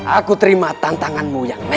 aku terima tantanganmu yang nekat itu